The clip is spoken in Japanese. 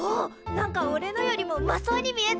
なんかおれのよりもうまそうに見えっぞ！